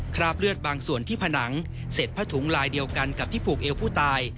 คราบเลือดบางส่วนที่ผนังเสร็จผ้าถุงลายเดียวกันกับที่ผูกเอวผู้ตาย